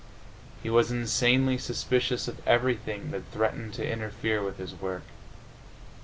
He was insanely suspicious of everything that threatened to interfere with his work.